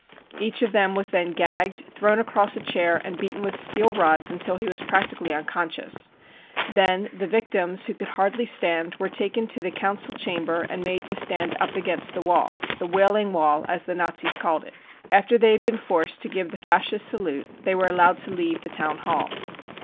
Each of them was then gagged, thrown across a chair and beaten with steel rods until he was practically unconscious. Then the victims, who could hardly stand, were taken to the Council Chamber and made to stand up against the wall — c The Wailing Wall/ as the Nazis called it. After they had been forced to give the Fascist salute, they were allowed to leave the Town Hall.